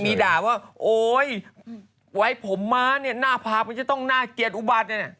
มีด่าว่าโอ๊ยไว้ผมม้าเนี่ยหน้าผากมันจะต้องน่าเกลียดอุบัติเนี่ย